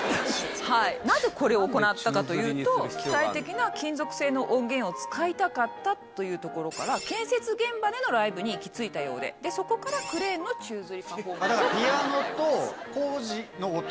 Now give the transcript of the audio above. なぜこれを行ったかというと機械的な金属製の音源を使いたかったというところから建設現場でのライブに行き着いたようでそこからクレーンの宙吊りパフォーマンスを考えた。